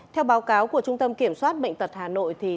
theo báo cáo của trung tâm kiểm soát bệnh tật hà nội